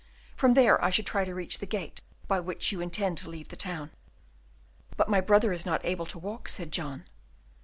From there I should try to reach the gate by which you intend to leave the town." "But my brother is not able to walk," said John.